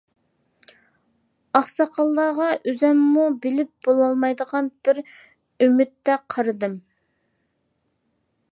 ئاقساقاللارغا ئۆزۈممۇ بىلىپ بولالمايدىغان بىر ئۈمىدتە قارىدىم.